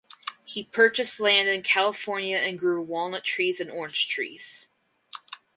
He purchased land in California and grew walnut trees and oranges trees.